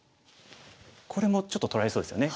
これもちょっと取られそうですよね。